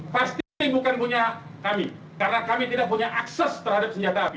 pasti bukan punya kami karena kami tidak punya akses terhadap senjata api